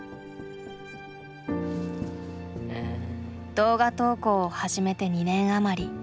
動画投稿を始めて２年余り。